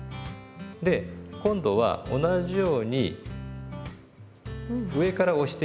で今度は同じように上から押してみて下さい。